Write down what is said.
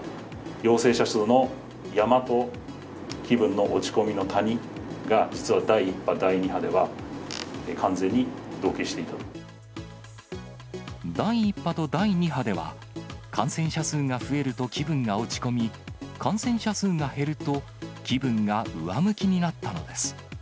陽性者数の山と、気分の落ち込みの谷が、実は第１波、第２波では、第１波と第２波では、感染者数が増えると気分が落ち込み、感染者数が減ると、気分が上向きになったのです。